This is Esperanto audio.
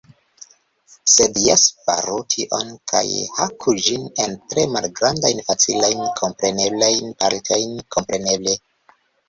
Sed jes faru tion kaj haku ĝin en tre malgrandajn facilajn, kompreneblajn partojn. Kompreneble.